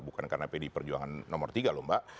bukan karena pdip perjuangan nomor tiga loh mbak